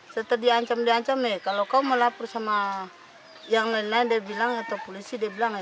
setelah diancam diancam kalau kau mau lapor sama yang lain lain dia bilang atau polisi dia bilang